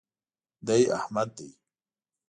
دی احمد دئ.